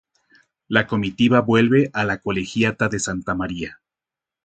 La comitiva vuelve a la Colegiata de Santa María.